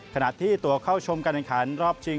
ขณะที่ตัวเข้าชมการแข่งขันรอบชิง